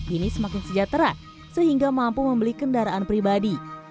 ini semakin sejahtera sehingga mampu membeli kendaraan pribadi